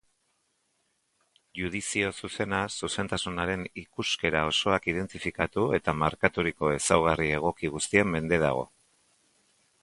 Judizio zuzena zuzentasunaren ikuskera osoak identifikatu eta markaturiko ezaugarri egoki guztien mende dago.